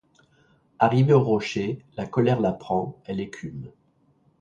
Arrivée aux rochers, la colère la prend, elle écume.